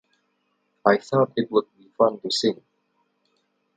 I thought it would be fun to sing.